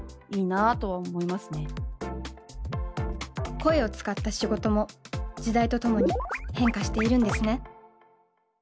声を使った仕事も時代とともに変化しているんですね。